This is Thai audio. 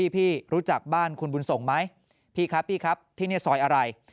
พี่รู้จักบ้านคุณบุญส่งไหมพี่ครับที่นี่ซอยอะไร